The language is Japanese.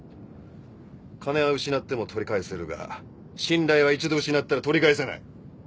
金は失っても取り返せるが信頼は一度失ったら取り返せない。